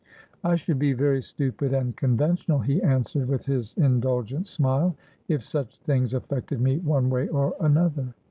"I should be very stupid and conventional," he answered, with his indulgent smile, "if such things affected me one way or another."